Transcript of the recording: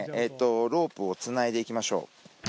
ロープをつないでいきましょう。